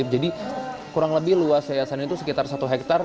jadi kurang lebih luas yayasan itu sekitar satu hektare